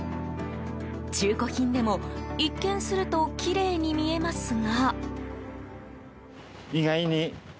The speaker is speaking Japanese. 中古品でも、一見するときれいに思えますが。